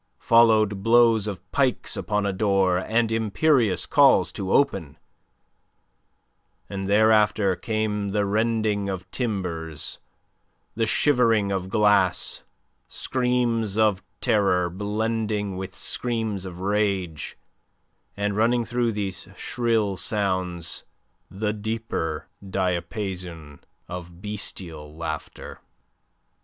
Followed blows of pikes upon a door and imperious calls to open, and thereafter came the rending of timbers, the shivering of glass, screams of terror blending with screams of rage, and, running through these shrill sounds, the deeper diapason of bestial laughter.